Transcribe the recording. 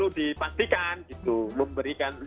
ini memang perlu dipastikan